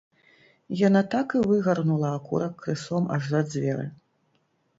Яна так і выгарнула акурак крысом аж за дзверы.